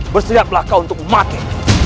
bersiap belakang untuk mati